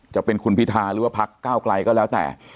จะเป็นคุณพิธาหรือว่าพักก้าวไกลก็แล้วแต่